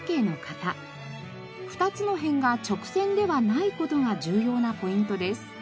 ２つの辺が直線ではない事が重要なポイントです。